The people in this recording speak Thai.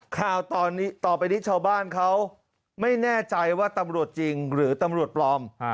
ข่าวต่อไปนี้ชาวบ้านเขาไม่แน่ใจว่าตำรวจจริงหรือตำรวจปลอม